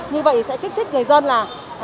như vậy sẽ kích thích người dân là